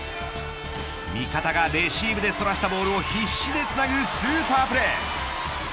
味方がレシーブで逸らしたボールを必死でつなぐスーパープレー。